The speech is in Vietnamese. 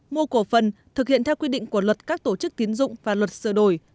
mua cổ phần thực hiện theo quy định của luật các tổ chức tiến dụng và luật sửa đổi